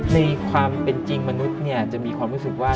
ในความเป็นจริงมนุษย์จะมีความรู้สึกว่า